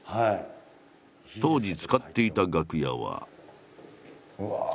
当時使っていた楽屋は。